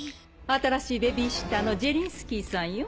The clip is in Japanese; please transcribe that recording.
新しいベビーシッターのジェリンスキーさんよ。